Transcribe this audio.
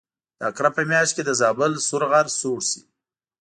د عقرب په میاشت کې د زابل سور غر سوړ شي.